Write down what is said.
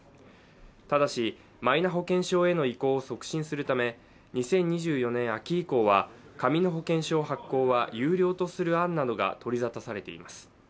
ただし、マイナ保険証への移行を促進するため２０２４年秋以降は紙の保険証発行は有料とする案などが取り沙汰されています。